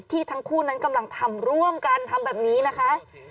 ทั้งคู่นั้นกำลังทำร่วมกันทำแบบนี้นะคะ